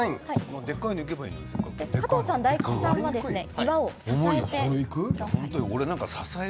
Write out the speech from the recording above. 加藤さんと大吉さんは岩を支えてください。